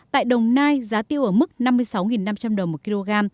tại đồng nai giá tiêu ở mức năm mươi sáu năm trăm linh đồng một kg